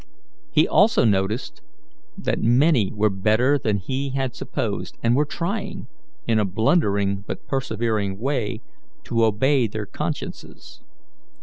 He also noticed that many were better than he had supposed, and were trying, in a blundering but persevering way, to obey their consciences.